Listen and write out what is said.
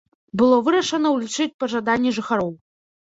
Было вырашана ўлічыць пажаданні жыхароў.